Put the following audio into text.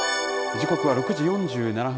時刻は６時４７分。